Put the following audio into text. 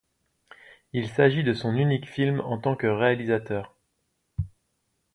Il s'agit de son unique film en tant que réalisateur.